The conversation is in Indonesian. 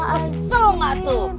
asal gak tuh